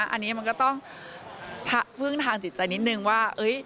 อันนี้มันก็ต้องพึ่งทางจิตใจนิดนึงว่า